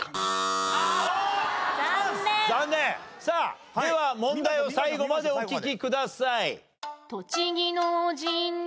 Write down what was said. さあでは問題を最後までお聞きください。